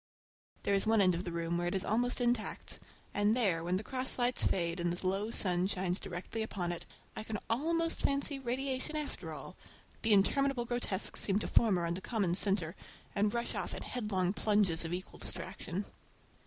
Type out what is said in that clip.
There is one end of the room where it is almost intact, and there, when the cross lights fade and the low sun shines directly upon it, I can almost fancy radiation after all,—the interminable grotesques seem to form around a common centre and rush off in headlong plunges of equal distraction.